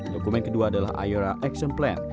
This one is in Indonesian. dokumen kedua adalah ayora action plan